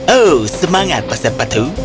oh semangat pastor patu